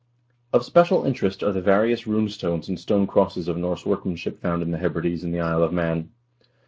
1 Of special interest are the various rune stones and stone crosses of Norse workmanship found in the Hebrides and the Isle of Man.